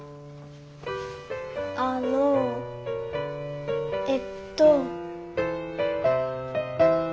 あのえっと。